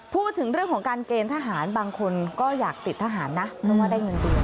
พูดถึงเรื่องของการเกณฑ์ทหารบางคนก็อยากติดทหารนะเพราะว่าได้เงินเดือน